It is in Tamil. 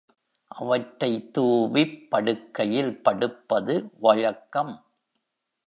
அவற்றைத் தூவிப் படுக்கையில் படுப்பது வழக்கம்.